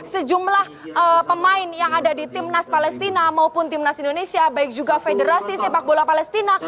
sejumlah pemain yang ada di tim nas palestina maupun tim nas indonesia baik juga federasi sepak bola palestina